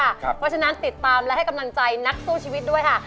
เพราะฉะนั้นติดตามและให้กำลังใจนักสู้ชีวิตด้วยค่ะ